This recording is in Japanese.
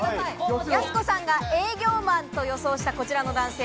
やす子さんが営業マンと予想した、こちらの男性。